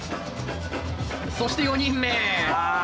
そして４人目！